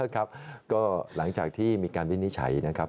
ก็หลังจากที่มีการวินิจฉัยนะครับ